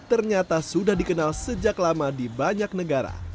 ternyata sudah dikenal sejak lama di banyak negara